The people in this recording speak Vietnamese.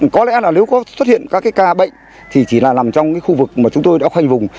có lẽ là nếu có xuất hiện các ca bệnh thì chỉ là nằm trong khu vực mà chúng tôi đã khoanh vùng